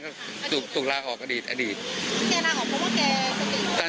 อ่ะก็อดีตถูกตูปล่าออกอดีตอดีตแกน่ะเพราะว่าแกสติตแกนะ